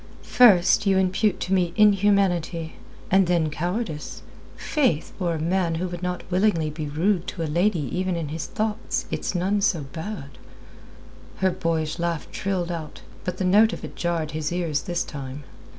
"First you impute to me inhumanity, and then cowardice. Faith! For a man who would not willingly be rude to a lady even in his thoughts, it's none so bad." Her boyish laugh trilled out, but the note of it jarred his ears this time.